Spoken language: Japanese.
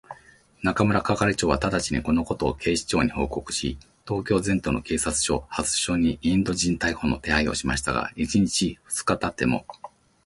中村係長はただちに、このことを警視庁に報告し、東京全都の警察署、派出所にインド人逮捕の手配をしましたが、一日たち二日たっても、